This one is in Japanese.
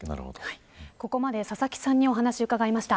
ここまで佐々木さんにお話を伺いました。